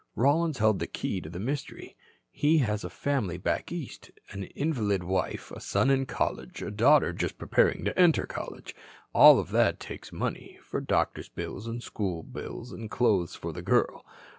Rollins held the key to the mystery. He has a family back East, an invalid wife, a son in college, a daughter just preparing to enter college. All that takes money, for doctor bills and school bills and clothes for the girl.